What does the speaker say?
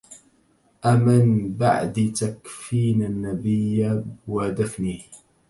أمن بعد تكفين النبي ودفنه